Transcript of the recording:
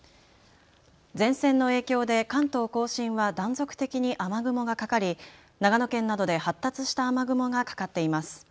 前線の影響で関東甲信は断続的に雨雲がかかり長野県などで発達した雨雲がかかっています。